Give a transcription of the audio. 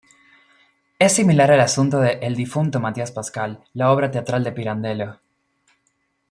Es similar al asunto de "El difunto Matías Pascal", la obra teatral de Pirandello.